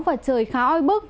và trời khá oi bức